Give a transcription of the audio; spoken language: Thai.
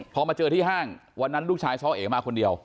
พอมาเจอที่ห้างวันนั้นลูกชายซ้อเอ๋มาคนเดียว